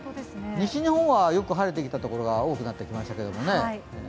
西日本はよく晴れてきた所が多くなってきましたけどね。